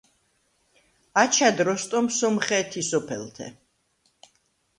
აჩა̈დ როსტომ სომხე̄თი სოფელთე.